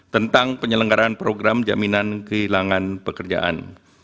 tentang penyelenggaran program jaminan kehilangan pekerjaan